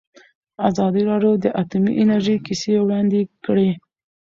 ازادي راډیو د اټومي انرژي کیسې وړاندې کړي.